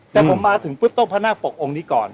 แต่ผมมาถึงต้มพระนาคปกองค์นี้ก่อน